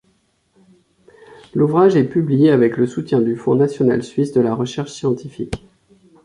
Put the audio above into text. L'ouvrage est publié avec le soutien du Fonds national suisse de la recherche scientifique.